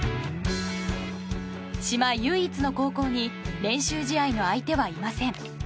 島唯一の高校に練習試合の相手はいません。